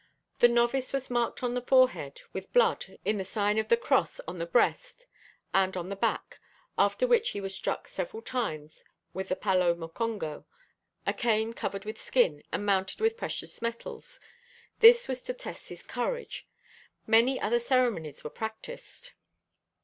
The novice was marked on the forehead with blood in the sign of the cross + on the breast +/o|o/+ and on the back o/o|o/o after which he was struck several times with the palo Mocongo, a cane covered with skin and mounted with precious metals; this was to test his courage; many other ceremonies were practiced.